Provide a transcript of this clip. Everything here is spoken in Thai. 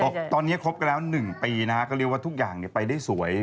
ก็เรียกว่า๑ปีนะครับก็เรียกว่าทุกอย่างไปได้สวย